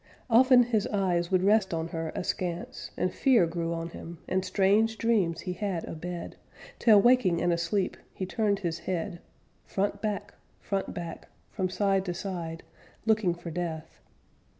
Often his eyes would rest on her askance, And fear grew on him, and strange dreams he had a bed, Till waking and asleep he turned his head, Front back, front back, from side to side, Looking for Death.